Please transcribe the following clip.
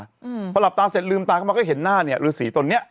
อืมพอหลับตาเสร็จลืมตาเข้ามาก็เห็นหน้าเนี้ยฤษีตนเนี้ย